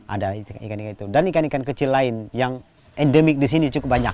ada ikan itu dan ikan ikan kecil lain yang endemik di sini cukup banyak